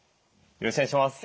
よろしくお願いします。